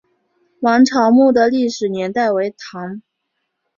王潮墓的历史年代为唐。